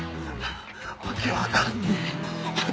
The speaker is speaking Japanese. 訳分かんねえよ。